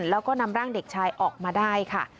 แล้วก็นำร่างเด็กชายออกมาได้ค่ะ